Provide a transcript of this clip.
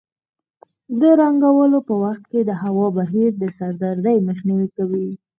د رنګولو په وخت کې د هوا بهیر د سر دردۍ مخنیوی کوي.